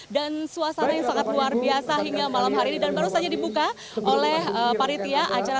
dan suasana yang sangat luar biasa hingga malam hari ini dan baru saja dibuka oleh paritia acara